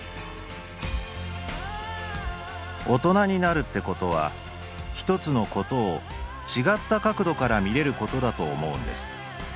「大人になるってことは一つのことを違った角度から見れることだと思うんです。